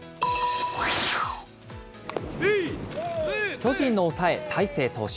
巨人の抑え、大勢投手。